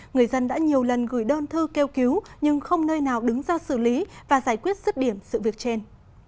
người dân đã nhiều lần gửi đơn thư kêu cứu nhưng không nơi nào đứng ra xử lý và giải quyết sức điểm sự việc trên